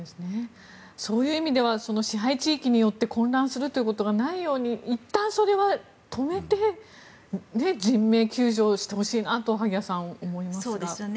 そういう意味では支配地域によって混乱するということがないようにいったんそれは止めて人命救助してほしいなと萩谷さん、思いますよね。